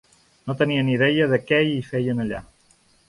No tenia ni idea de què hi feien allà.